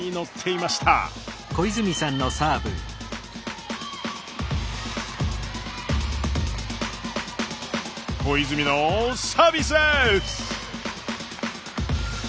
小泉のサービスエース！